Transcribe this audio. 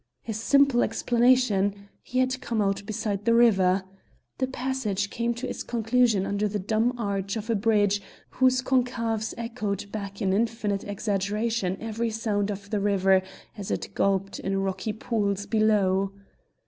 A simple explanation! he had come out beside the river. The passage came to its conclusion under the dumb arch of a bridge whose concaves echoed back in infinite exaggeration every sound of the river as it gulped in rocky pools below.